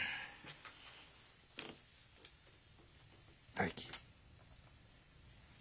大樹。